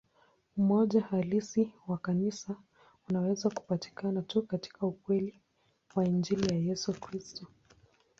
Umoja halisi wa Kanisa unaweza kupatikana tu katika ukweli wa Injili ya Yesu Kristo.